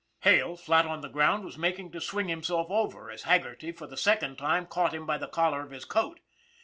Hale, flat on the ground, was making to swing him self over as Haggerty, for the second time, caught him by the collar of his coat.